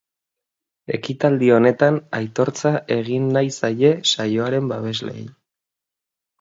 Ekitaldi honetan aitortza egin nahi zaie saioaren babesleei.